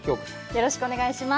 よろしくお願いします。